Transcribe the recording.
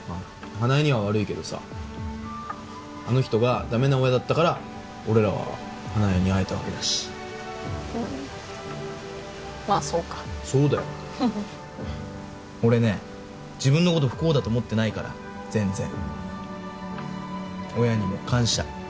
花枝には悪いけどさあの人がダメな親だったから俺らは花枝に会えたわけだしうんまあそうかそうだよ俺ね自分のこと不幸だと思ってないから全然親にも感謝